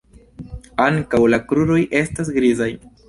Ankaŭ la kruroj estas grizaj.